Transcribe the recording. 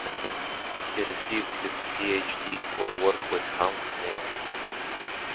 He received his Ph.D for work with Hans Meyer.